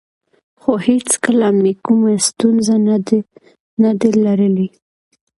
خو هېڅکله مې کومه ستونزه نه ده لرلې